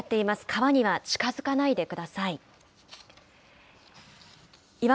川には近づかないでください。